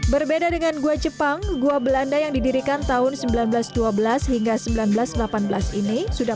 berbeda dengan gua jepang gua belanda yang didirikan tahun seribu sembilan ratus dua belas hingga seribu sembilan ratus delapan belas ini sudah